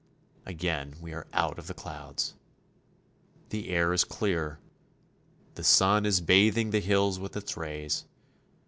Again we are out of the clouds. The air is clear. The sun is bathing the hills with its rays.